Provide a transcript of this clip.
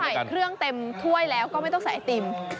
ถ้าเกิดว่าใส่เครื่องเต็มถ้วยแล้วก็ไม่ต้องใส่ไอติม